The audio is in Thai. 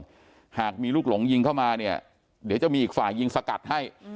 ไม่ต้องเป็นห่วงหากมีลูกหลงยิงเข้ามาเนี่ยเดี๋ยวจะมีอีกฝ่ายยิงสกัดให้